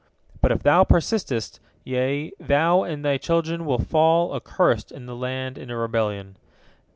But if thou persistest, ye, thou and thy children, will fall, accursed, in the land, in a rebellion.